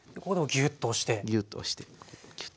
ギューッと押してギュッと押して。